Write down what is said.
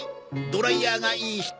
ドライヤーがいい人。